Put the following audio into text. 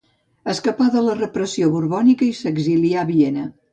Escapà de la repressió borbònica i s'exilià a Viena.